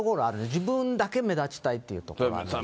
自分だけ目立ちたいというところがあるんですね。